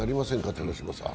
寺島さん。